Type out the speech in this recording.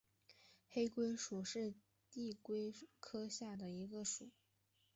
黑龟属是地龟科下的一个属。